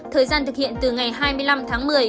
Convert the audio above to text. thời gian thực hiện từ ngày hai mươi năm tháng một mươi